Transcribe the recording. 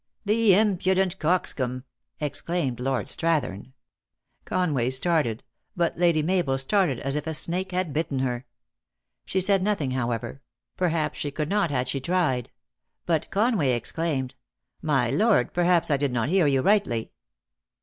"The impudent coxcomb!" exclaimed Lord Strath ern. Conway started. But Lady Mabel started as if a snake had bitten her. She said nothing, however ; THE ACTKESS IN HIGH LIFE. 667 perhaps she could not had she tried. But Conway ex claimed :" My lord, perhaps I did not hear you rightly."